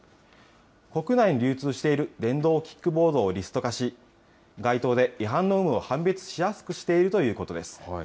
国内に流通している電動キックボードをリスト化し、街頭で違反の有無を判別しやすくしているということです。